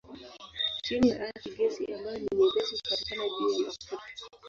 Chini ya ardhi gesi ambayo ni nyepesi hupatikana juu ya mafuta.